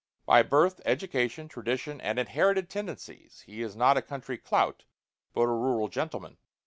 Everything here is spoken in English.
By birth, education, tradition, and inherited tendencies he is not a country clout, but a rural gentleman.